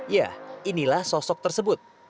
ya inilah sosok tersebut